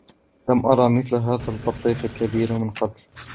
لم أرى مثل هذا البطيخ الكبير من قبل.